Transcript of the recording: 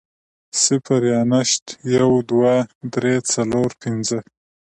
صفر يا نشت, يو, دوه, درې, څلور, پنځه